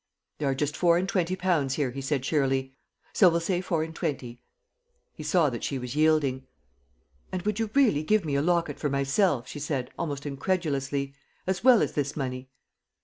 "There are just four and twenty pounds here," he said cheerily; "so we'll say four and twenty." He saw that she was yielding. "And would you really give me a locket for myself," she said, almost incredulously, "as well as this money?"